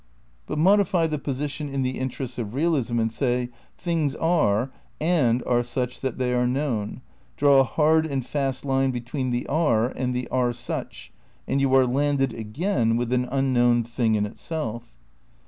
But modify the position in the interests of realism and say : Things are, cmd are such that they are known, draw a hard and fast line between the "are" £iud the "are such," and you are landed, again, with an unknown thing in itself.